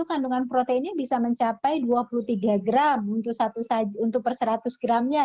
kandungan proteinnya bisa mencapai dua puluh tiga gram untuk per seratus gramnya